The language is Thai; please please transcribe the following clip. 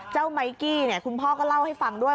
ไมกี้คุณพ่อก็เล่าให้ฟังด้วย